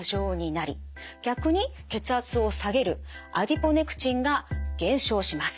逆に血圧を下げるアディポネクチンが減少します。